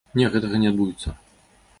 Не, гэтага не адбудзецца.